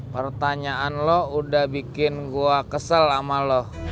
pertanyaan lo udah bikin gue kesel sama lo